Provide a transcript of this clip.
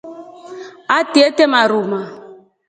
Atri etre maruma.